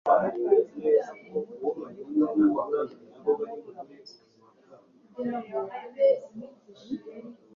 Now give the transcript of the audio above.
Abatambyi bazabiranyijwe n’uburakari, bahereyeko basumira Petero na Yohana